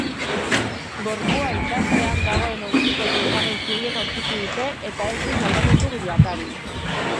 Gorpua itsaspean dagoen ontziko seigarren zubian aurkitu dute, eta ez du salbamendu-jakarik.